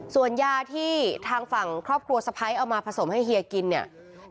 ส่วนยาที่ทางฝั่งครอบครัวสะพ้ายเอามาผสมให้เฮียกินเนี่ย